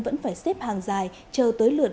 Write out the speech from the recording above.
vẫn phải xếp hàng dài chờ tới lượt